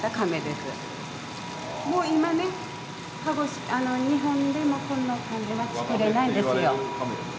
もう今ね日本でもこのかめは作れないですよ。